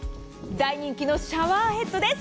大人気のシャワーヘッドです。